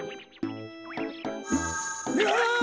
うわ！